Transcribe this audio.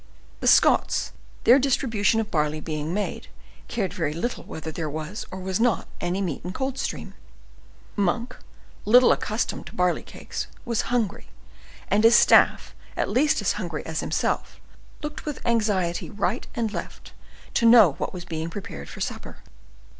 The Scots, their distribution of barley being made, cared very little whether there was or was not any meat in Coldstream. Monk, little accustomed to barley cakes, was hungry, and his staff, at least as hungry as himself, looked with anxiety right and left, to know what was being prepared for supper.